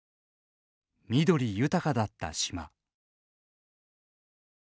緑豊かだった島。